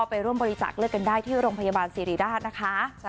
ไปร่วมบริจาคเลือดกันได้ที่โรงพยาบาลสิริราชนะคะ